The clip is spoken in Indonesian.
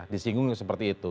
disinggung seperti itu